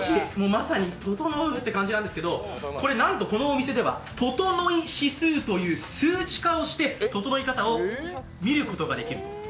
まさにととのうって感じなんですけど、これなんとこのお店ではととのい指数という数値化をしてととのい方を見ることができる。